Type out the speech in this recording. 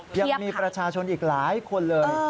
ยังมีประชาชนอีกหลายคนเลย